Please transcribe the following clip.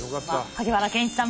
萩原健一さん